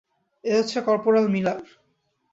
এ হচ্ছে corporal Miller.